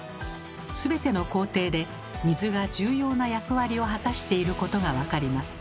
全ての工程で水が重要な役割を果たしていることがわかります。